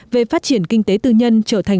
về phát triển kinh tế tư nhân